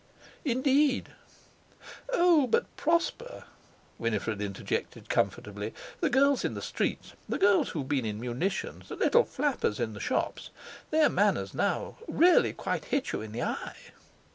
"Indeed!" "Oh, but—Prosper," Winifred interjected comfortably, "the girls in the streets—the girls who've been in munitions, the little flappers in the shops; their manners now really quite hit you in the eye."